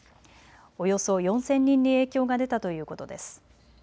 およそ４０００人に影響が出たということです。